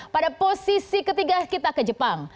pada posisi ketiga kita ke jepang